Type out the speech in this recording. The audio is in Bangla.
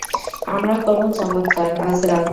আমরা করবো চমৎকার, আজ রাত।